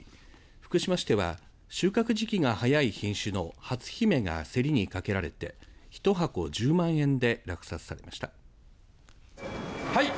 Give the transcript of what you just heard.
福島市では収穫時期が早い品種のはつひめが競りにかけられて１箱１０万円で落札されました。